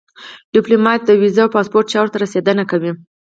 ډيپلومات د ویزو او پاسپورټ چارو ته رسېدنه کوي.